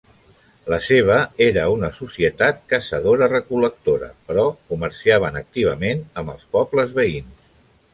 La seva era una societat caçadora-recol·lectora però comerciaven activament amb els pobles veïns.